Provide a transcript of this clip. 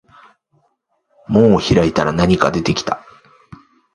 門を開いたら何か出てきた